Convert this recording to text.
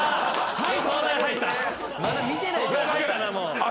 はい！